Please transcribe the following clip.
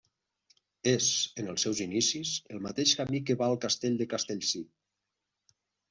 És, en els seus inicis, el mateix camí que va al Castell de Castellcir.